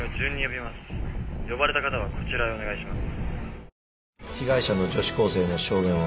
呼ばれた方はこちらへお願いします。